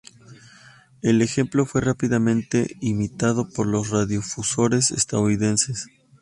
El ejemplo, fue rápidamente imitado por los radiodifusores estadounidenses.